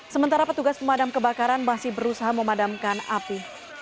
sementara petugas pemadam kebakaran masih berusaha memadamkan api